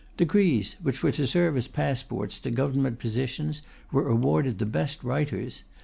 Degrees, which were to serve as passports to Government positions, were awarded the best writers.